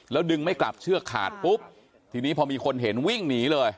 แล้วดึงไม่กลับเชือกขาดปุ๊บทีนี้พอมีคนเห็นวิ่งหนีเลย